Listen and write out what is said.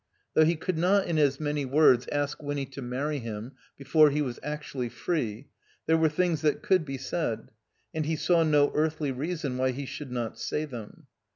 Though he could not in as many words ask Winny to matry him before he was actually free, there were things that could be said, and he saw no earthly reason why he should not say them.